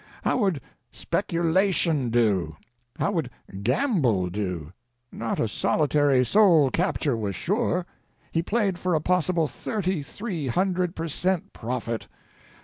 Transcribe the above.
How would speculation do? How would gamble do? Not a solitary soul capture was sure. He played for a possible thirty three hundred per cent profit.